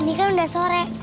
ini kan udah sore